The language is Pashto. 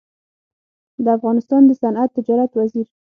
د افغانستان د صنعت تجارت وزیر